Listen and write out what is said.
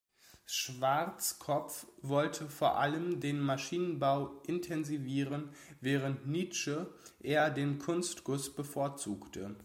Schwartzkopff wollte vor allem den Maschinenbau intensivieren, während Nitsche eher den Kunstguss bevorzugte.